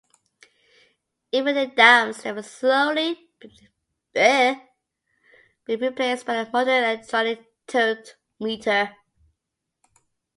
Even in dams, they are slowly being replaced by the modern electronic tiltmeter.